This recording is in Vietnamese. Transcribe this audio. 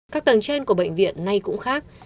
các tầng trên của bệnh viện nay cũng khác